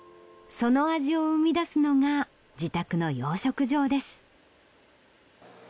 その味を生み出すのが自宅の養殖場です。